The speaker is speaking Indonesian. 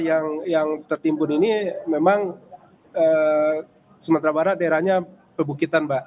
yang tertimbun ini memang sumatera barat daerahnya pebukitan mbak